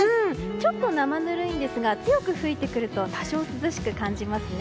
ちょっと生ぬるいんですが強く吹いてくると多少涼しく感じますね。